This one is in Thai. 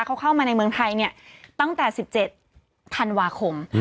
เขาเข้ามาในเมืองไทยตั้งแต่๑๗ธันวาคม